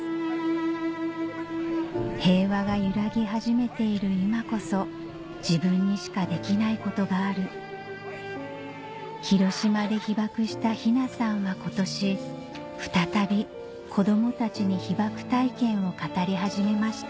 平和が揺らぎ始めている今こそ自分にしかできないことがある広島で被爆した雛さんは今年再び子供たちに被爆体験を語り始めました